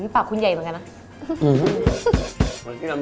ปากคุณใหญ่เหมือนกันนะ